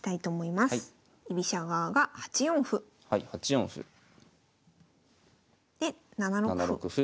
８四歩。で７六歩。